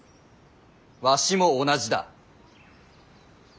わしも同じだ。